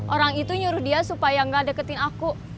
orang itu nyuruh dia supaya gak deketin aku